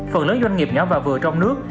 phần lớn doanh nghiệp nhỏ và vừa trong nước